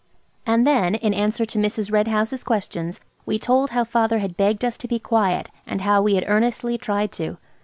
And then, in answer to Mrs. Red House's questions, we told how father had begged us to be quiet, and how we had earnestly tried to.